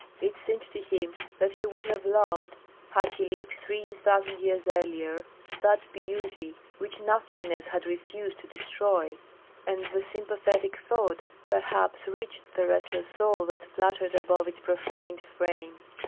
It seemed to him that he would have loved, had he lived three thousand years earlier, that beauty which nothingness had refused to destroy; and the sympathetic thought perhaps reached the restless soul that fluttered above its profaned frame.